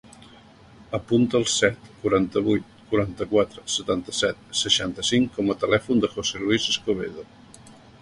Apunta el set, quaranta-vuit, quaranta-quatre, setanta-set, seixanta-cinc com a telèfon del José luis Escobedo.